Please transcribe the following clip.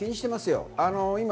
気にしてますよ。